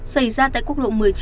xảy ra tại quốc lộ một mươi chín